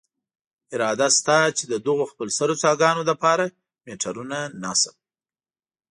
اراده شته، چې دغو خپلسرو څاګانو له پاره میټرونه نصب.